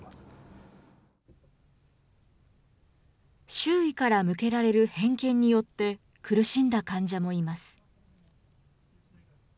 周囲から向けられる偏見によって、苦しんだ患者もいます。